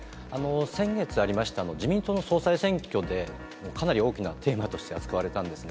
先月ありました、自民党の総裁選挙で、かなり大きなテーマとして扱われたんですね。